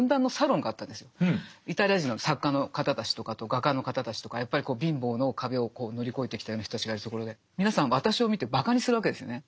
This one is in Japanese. イタリア人の作家の方たちとかあと画家の方たちとかやっぱり貧乏の壁を乗り越えてきたような人たちがいるところで皆さん私を見てばかにするわけですよね。